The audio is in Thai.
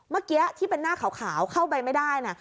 เมื่อกี้ที่เป็นหน้าขาวเข้าไปไม่ได้นะ